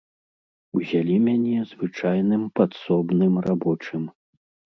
Узялі мяне звычайным падсобным рабочым.